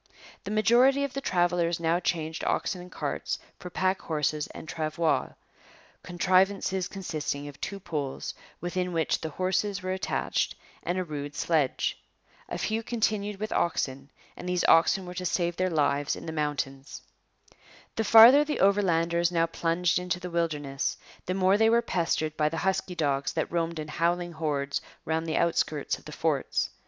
The majority of the travellers now changed oxen and carts for pack horses and travois, contrivances consisting of two poles, within which the horses were attached, and a rude sledge. A few continued with oxen, and these oxen were to save their lives in the mountains. [Illustration: Washing gold on the Saskatchewan. From a photograph.] The farther the Overlanders now plunged into the wilderness, the more they were pestered by the husky dogs that roamed in howling hordes round the outskirts of the forts.